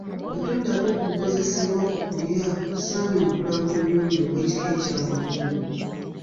Bwe tuddako ku bikozesebwa ku kulya tusaanye okulaga obuyonjo obw’ekika ekya waggulu.